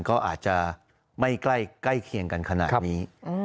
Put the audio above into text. ก็อาจจะไม่ใกล้เคียงกันขนาดนี้